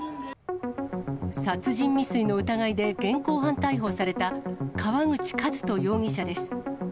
殺人未遂の疑いで現行犯逮捕された川口和人容疑者です。